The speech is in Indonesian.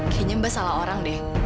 kayaknya mbak salah orang deh